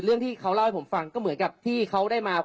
เรื่องที่เขาเล่าให้ผมฟังก็เหมือนกับที่เขาได้มา